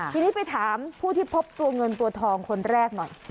ทีนี้ไปถามผู้ที่พบตัวเงินตัวทองคนแรกหน่อย